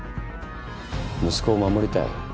息子を守りたい？